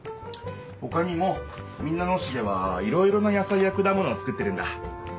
ほかにも民奈野市ではいろいろな野菜やくだものをつくってるんだ。